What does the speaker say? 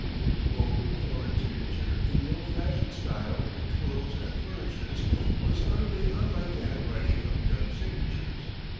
The bold, florid signature in the old fashioned style with twirls and flourishes was utterly unlike the handwriting of the other signatures.